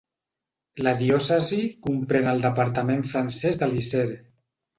La diòcesi comprèn el departament francès de l'Isère.